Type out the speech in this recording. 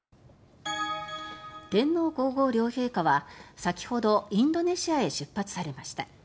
天皇・皇后両陛下は先ほどインドネシアへ出発されました。